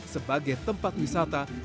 sebagai tempat wisata